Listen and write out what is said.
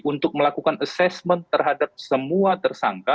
untuk melakukan assessment terhadap semua tersangka